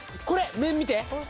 面見て！